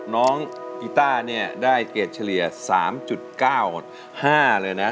น้องกีต้าเนี่ยได้เกรดเฉลี่ย๓๙๕เลยนะ